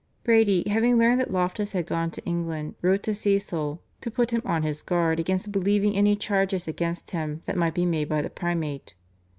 Brady having learned that Loftus had gone to England wrote to Cecil to put him on his guard against believing any charges against him that might be made by the Primate.